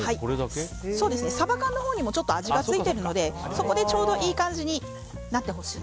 サバ缶のほうにもちょっと味がついてるのでそこでちょうどいい感じになってほしい。